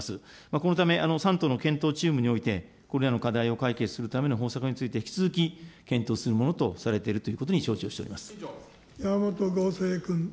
このため３党の検討チームにおいて、これらの課題を解決するための方策について、引き続き検討するものとされているということに、山本剛正君。